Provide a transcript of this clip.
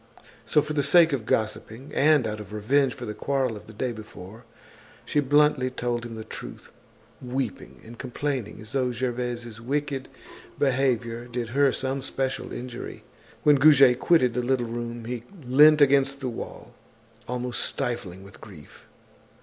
So, for the sake of gossiping, and out of revenge for the quarrel of the day before, she bluntly told him the truth, weeping and complaining as though Gervaise's wicked behavior did her some special injury. When Goujet quitted the little room, he leant against the wall, almost stifling with grief.